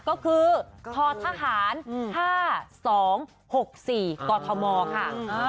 ก็คือททหาร๕๒๖๔กธมค่ะ